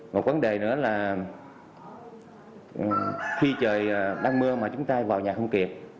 một vấn đề nữa là khi trời đang mưa mà chúng ta vào nhà không kịp